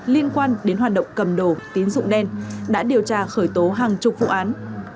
liên quan đến hoạt động cầm đồ tín dụng đen đã điều tra khởi tố hàng chục vụ án